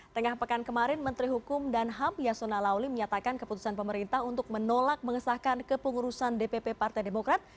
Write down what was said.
tengah pekan kemarin menteri hukum dan ham yasona lawli menyatakan keputusan pemerintah untuk menolak mengesahkan kepengurusan dpp partai demokrat